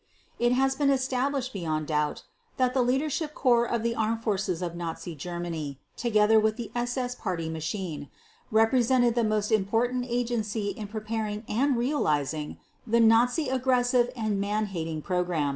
It has been established beyond doubt that the Leadership Corps of the Armed Forces of Nazi Germany, together with the SS Party machine, represented the most important agency in preparing and realizing the Nazi aggressive and man hating program.